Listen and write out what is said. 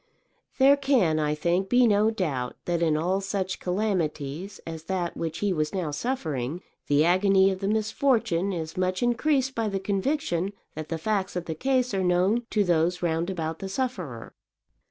There can, I think, be no doubt that in all such calamities as that which he was now suffering, the agony of the misfortune is much increased by the conviction that the facts of the case are known to those round about the sufferer.